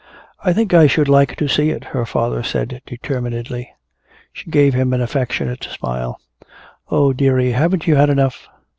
"I think I should like to see it," her father said determinedly. She gave him an affectionate smile: "Oh, dearie. Haven't you had enough?"